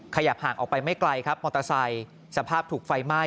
ขยับห่างออกไปไม่ไกลครับมอเตอร์ไซค์สภาพถูกไฟไหม้